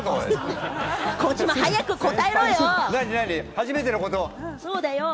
初めてのこと？